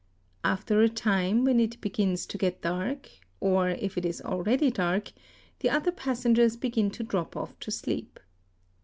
After a time, when it begins to get dark, or if it is already dark, the other passen gers begin to drop off to sleep.